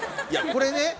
いやこれね